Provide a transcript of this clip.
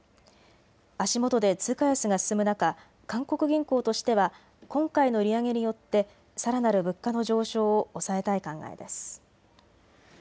足元で通貨安が進む中、韓国銀行としては今回の利上げによってさらなる物価の上昇を抑えたい考えです。